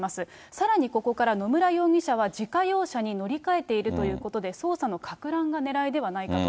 さらにここから野村容疑者は自家用車に乗り換えているということで、捜査のかく乱がねらいではないかと。